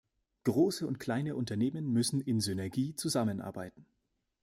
Große und kleine Unternehmen müssen in Synergie zusammenarbeiten.